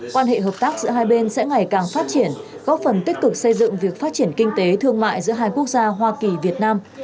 quan hệ hợp tác giữa hai bên sẽ ngày càng phát triển góp phần tích cực xây dựng việc phát triển kinh tế thương mại giữa hai quốc gia hoa kỳ việt nam